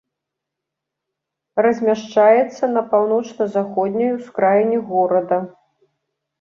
Размяшчаецца на паўночна-заходняй ускраіне горада.